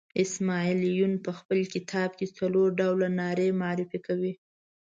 اسماعیل یون په خپل کتاب کې څلور ډوله نارې معرفي کوي.